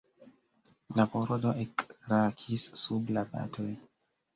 La pordo ekkrakis sub la batoj.